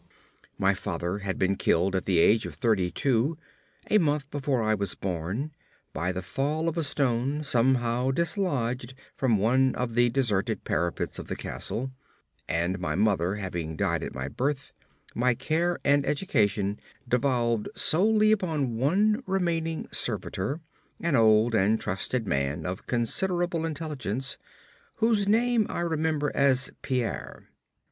My father had been killed at the age of thirty two, a month before I was born, by the fall of a stone somehow dislodged from one of the deserted parapets of the castle, and my mother having died at my birth, my care and education devolved solely upon one remaining servitor, an old and trusted man of considerable intelligence, whose name I remember as Pierre.